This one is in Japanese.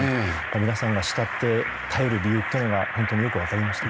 皆さんが慕って頼る理由というのが本当によく分かりましたね。